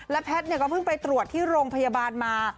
แพทย์ก็เพิ่งไปตรวจที่โรงพยาบาลมา